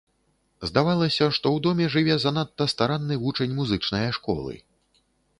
Здавалася, што ў доме жыве занадта старанны вучань музычнае школы.